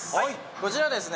こちらですね